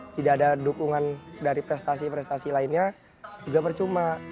tidak ada dukungan dari prestasi prestasi lainnya juga percuma